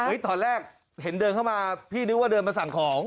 ตอนแรกเห็นเดินเข้ามาพี่นึกว่าเดินมาสั่งของ